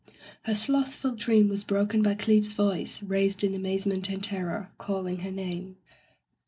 Her slothful dream was broken by Cleeve's voice, raised in amazement and terror, call ing her name.